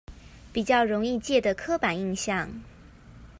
比較容易借的刻板印象